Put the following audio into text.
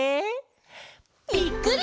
ぴっくり！